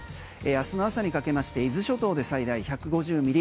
明日の朝にかけまして伊豆諸島で最大１５０ミリ